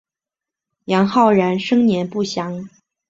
杨浩然生年不详。